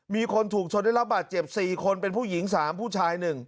มีคนถูกชนได้รับบาดเจ็บ๔คนเป็นผู้หญิง๓ผู้ชาย๑